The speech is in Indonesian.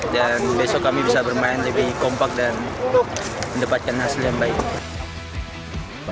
dan besok kami bisa bermain lebih kompak dan mendapatkan hasil yang baik